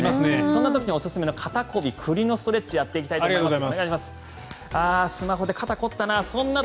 そんな時におすすめの肩凝り、首のストレッチやっていきたいと思います。